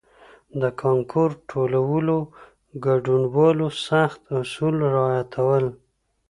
د کانکور ټولو ګډونوالو سخت اصول رعایتول.